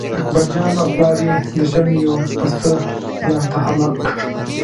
اکبرجان او پلار یې د ژمي یو پسه ځانته حلال کړ.